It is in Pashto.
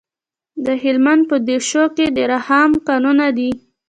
د هلمند په دیشو کې د رخام کانونه دي.